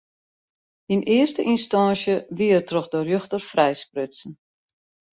Yn earste ynstânsje wie er troch de rjochter frijsprutsen.